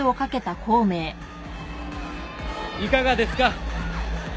いかがですか？